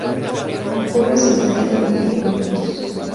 Ocurre solitario o en pequeños grupos.